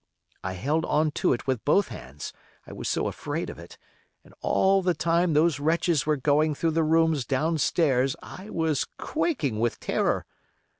I held on to it with both hands, I was so afraid of it, and all the time those wretches were going through the rooms down stairs I was quaking with terror.